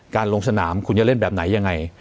การลงสนามคุณจะเล่นแบบไหนไง